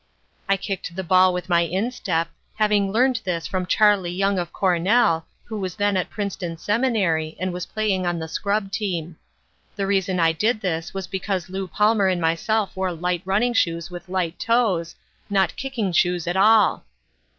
I kicked the ball with my instep, having learned this from Charlie Young of Cornell, who was then at Princeton Seminary and was playing on the scrub team. The reason I did this was because Lew Palmer and myself wore light running shoes with light toes, not kicking shoes at all.